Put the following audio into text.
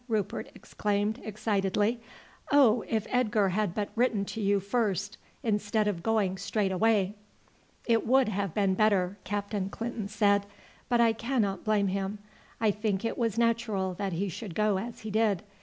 Rupert exclaimed excitedly. "Oh! if Edgar had but written to you first, instead of going straight away." "It would have been better," Captain Clinton said, "but I cannot blame him. I think it was natural that he should go as he did.